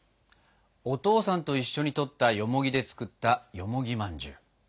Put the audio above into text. お父さんと一緒に採ったよもぎで作ったよもぎまんじゅう。